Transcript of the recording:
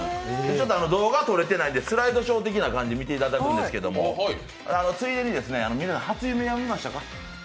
ちょっと動画は撮れてないんでスライドショー的な感じで見ていただくんですけどついでに皆さん、初夢は見ましたか？